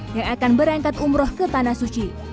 yang akan berangkat umroh ke tanah suci